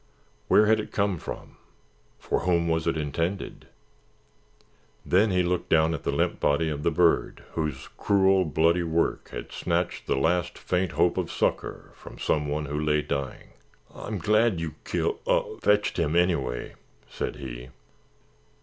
Where had it come from? For whom was it intended? Then he looked down at the limp body of the bird whose cruel, bloody work had snatched the last faint hope of succor from someone who lay dying. "I—I'm glad you kil—fetched him, anyway——" said he.